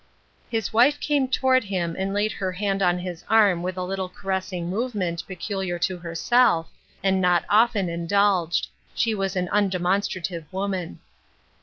" His wife came toward him and laid her hand on his arm with a little caressing movement peculiar to herself, and not often indulged ; she was an undemonstrative woman.